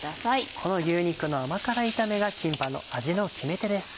この牛肉の甘辛炒めがキンパの味の決め手です。